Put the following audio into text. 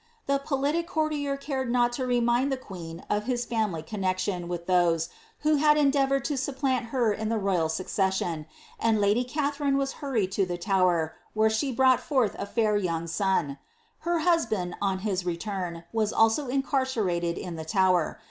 The politic courtier cared not to remind the queen of his family connexion with those, who had endeavoured to supplant her in the royal succession ; tad lady Katharine was hurried to the Tower, where she brought forth s £ur young son. Her husband, on his return, was also incarcerated io the Tower.